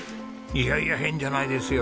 いやいや変じゃないですよ。